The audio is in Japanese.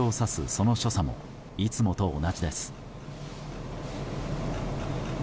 その所作もいつもと同じです。